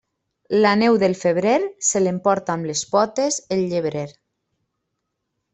La neu del febrer, se l'emporta amb les potes el llebrer.